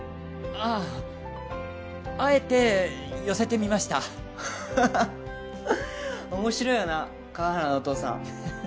ああえて寄せてみました面白いよな川原のお父さん